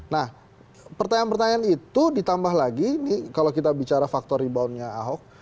nah pertanyaan pertanyaan itu ditambah lagi ini kalau kita bicara faktor reboundnya ahok